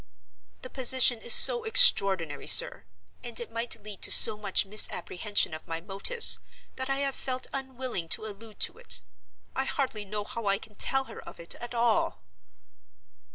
"The position is so extraordinary, sir, and it might lead to so much misapprehension of my motives, that I have felt unwilling to allude to it. I hardly know how I can tell her of it at all."